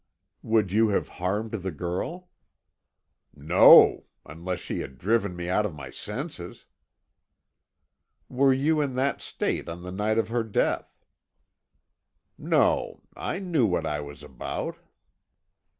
"Would you have harmed the girl?" "No, unless she had driven me out of my senses." "Were you in that state on the night of her death?" "No I knew what I was about."